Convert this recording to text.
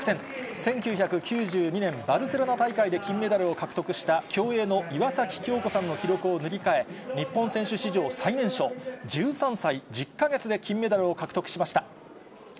１９９２年バルセロナ大会で金メダルを獲得した、競泳の岩崎きょうこさんの記録を塗り替え、日本選手史上最年少、１３歳１０か月で金メダルを獲得しました。